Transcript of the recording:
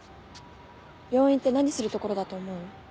病院って何する所だと思う？